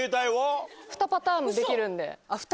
２パターンできるんで。